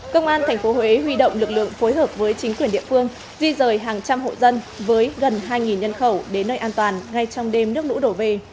công an tp huế huy động lực lượng phối hợp với chính quyền địa phương di rời hàng trăm hộ dân với gần hai nhân khẩu đến nơi an toàn ngay trong đêm nước lũ đổ về